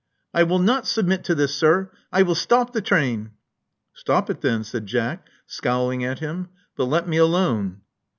I will not submit to this, sir. I will stop the train." '*Stop it then," said Jack, scowling at him. "But let me alone."